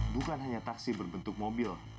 bukan hanya taksi berbentuk mobil